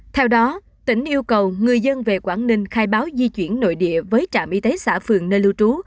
theo đó tỉnh yêu cầu người dân về quảng ninh khai báo di chuyển nội địa với trạm y tế xã phường nơi lưu trú